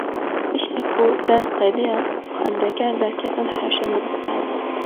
Piştî ku ders qediya, xwendekar derketin hewşa dibistanê.